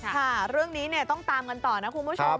ค่ะเรื่องนี้ต้องตามกันต่อนะคุณผู้ชม